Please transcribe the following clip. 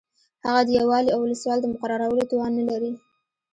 هغه د یو والي او ولسوال د مقررولو توان نه لري.